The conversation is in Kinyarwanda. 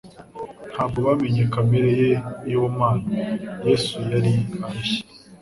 ntabwo bamenye kamere ye y'ubumana. Yesu yari arushye